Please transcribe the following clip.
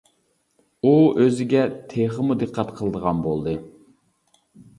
ئۇ ئۆزىگە تېخىمۇ دىققەت قىلىدىغان بولدى.